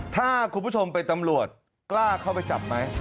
ถ้าคุณผู้ชมเป็นตำรวจกล้าเข้าไปจับไหม